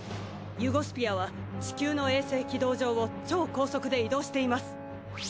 ユゴスピアは地球の衛星軌道上を超高速で移動しています。